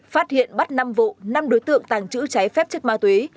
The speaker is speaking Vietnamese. phát hiện bắt năm vụ năm đối tượng tàng trữ trái phép chất ma túy